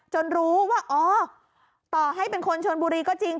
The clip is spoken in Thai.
รู้ว่าอ๋อต่อให้เป็นคนชนบุรีก็จริง